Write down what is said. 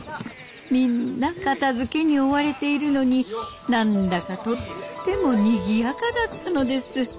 みんな片づけに追われているのに何だかとってもにぎやかだったのです。